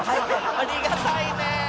ありがたいね！